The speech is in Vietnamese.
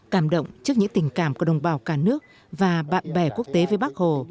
cảm động trước những tình cảm của đồng bào cả nước và bạn bè quốc tế với bắc hồ